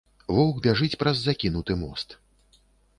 Воўк бяжыць праз закінуты мост.